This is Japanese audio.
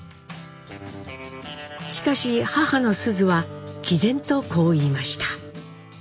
しかし母の須壽はきぜんとこう言いました。